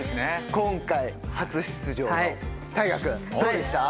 今回初出場の大我君どうでした？